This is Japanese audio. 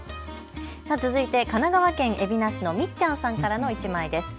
続いて神奈川県海老名市のみっちゃんさんからの１枚です。